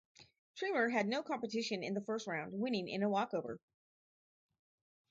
Tremeer had no competition in the first round, winning in a walkover.